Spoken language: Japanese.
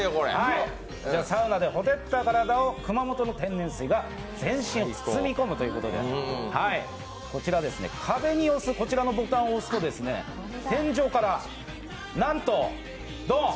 サウナで火照った体を熊本の天然水が全身を包み込むということでこちらは壁のボタンを押すと天井からなんと、ドン！